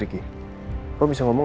apanya sih cummen